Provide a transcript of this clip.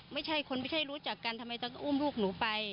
ไม่ใช่คนไม่ใช่รู้จักกันทำไมต้องอุ้มลูกหนูไป